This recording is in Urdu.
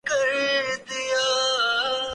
نہ کوئی مصرف ہے۔